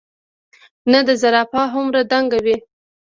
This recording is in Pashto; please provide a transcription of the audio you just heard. نۀ د زرافه هومره دنګ وي ،